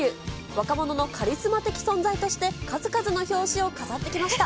若者のカリスマ的存在として、数々の表紙を飾ってきました。